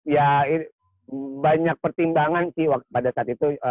ya itu ya banyak pertimbangan sih pada saat itu